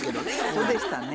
そうでしたね。